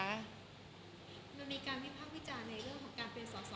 มันมีการวิพากษ์วิจารณ์ในเรื่องของการเป็นสอสอ